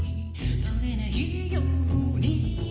「ばれないように」